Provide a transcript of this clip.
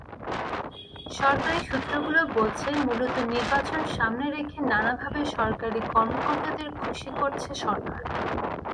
সরকারি সূত্রগুলো বলছে, মূলত নির্বাচন সামনে রেখে নানাভাবে সরকারি কর্মকর্তাদের খুশি করছে সরকার।